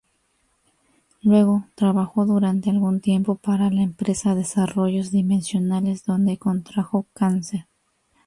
Luego, trabajó durante algún tiempo para la empresa Desarrollos Dimensionales, donde contrajo cáncer.